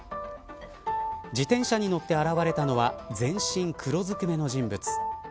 自転車に乗って現れたのは全身黒ずくめの人物。